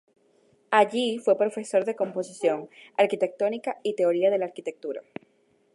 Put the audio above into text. Allí fue profesor de Composición Arquitectónica y Teoría de la Arquitectura.